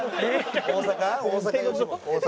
大阪？